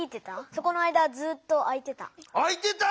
そこの間はずっとあいてた。